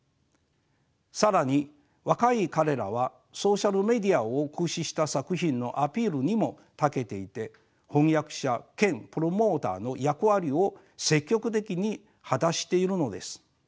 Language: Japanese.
更に若い彼らはソーシャルメディアを駆使した作品のアピールにもたけていて翻訳者兼プロモーターの役割を積極的に果たしているのです。